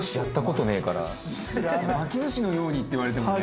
巻き寿司のようにって言われてもね。